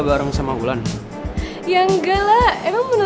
kasih wulan dulu